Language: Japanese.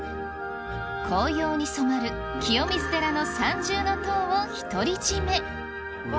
紅葉に染まる清水寺の三重塔を独り占めうわ